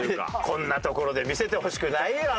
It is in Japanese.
こんなところで見せてほしくないよ